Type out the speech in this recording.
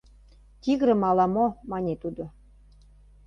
— Тигрым ала-мо, — мане тудо.